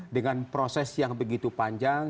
dengan proses yang begitu panjang